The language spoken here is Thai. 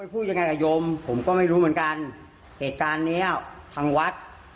พูดยังไงกับโยมผมก็ไม่รู้เหมือนกันเหตุการณ์เนี้ยทางวัด